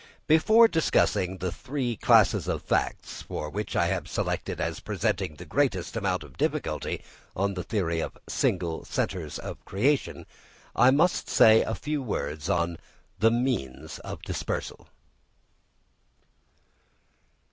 Before discussing the three classes of facts, which I have selected as presenting the greatest amount of difficulty on the theory of "single centres of creation," I must say a few words on the means of dispersal.